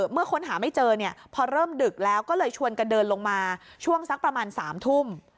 เมื่อค้นหาไม่เจอเนี่ยพอเริ่มดึกแล้วก็เลยชวนกันเดินลงมาช่วงสักประมาณ๓ทุ่ม